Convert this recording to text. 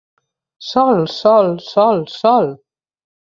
Sol, sol, sol, sol!